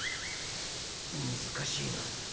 むずかしいな。